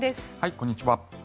こんにちは。